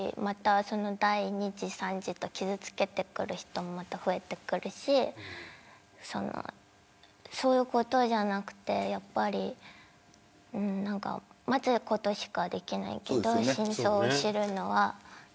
第２次、３次と傷付けてくる人がまた増えてくるしそういうことじゃなくてやっぱり待つことしかできないけど真相を知るのは。